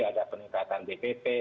ada peningkatan bpp